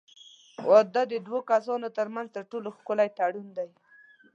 واده د دوو کسانو ترمنځ تر ټولو ښکلی تړون دی.